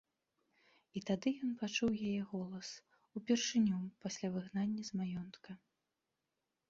І тады ён пачуў яе голас, упершыню пасля выгнання з маёнтка.